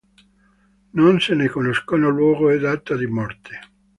Non se ne conoscono luogo e data di morte.